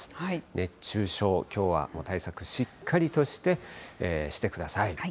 熱中症、きょうは対策しっかりとしてください。